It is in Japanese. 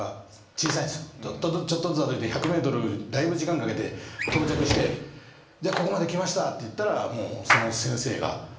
ちょっとずつちょっとずつ歩いて１００ｍだいぶ時間かけて到着して「ここまで来ました」って言ったらその先生が。